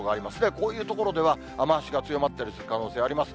こういう所では、雨足が強まったりする可能性あります。